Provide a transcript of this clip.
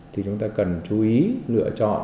thì chúng ta cần chú ý lựa chọn